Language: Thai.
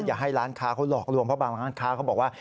อย่าให้ร้านค้าเขาหลอกลวงเพราะบางร้านค้าเขาบอกว่า